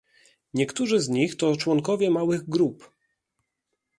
Niektórzy z nich to członkowie małych grup